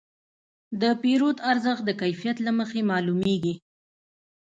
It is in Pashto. د پیرود ارزښت د کیفیت له مخې معلومېږي.